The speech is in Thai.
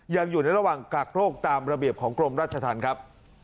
อยู่ในระหว่างกักโรคตามระเบียบของกรมราชธรรมครับ